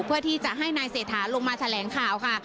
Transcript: เพื่อที่จะให้นายเศรษฐาลงมาแถลงข่าวค่ะ